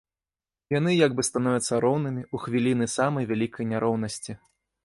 Яны як бы становяцца роўнымі ў хвіліны самай вялікай няроўнасці.